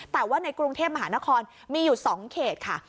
แต่ว่าในกรุงเทพมหานครมีอยู่๒เขตค่ะ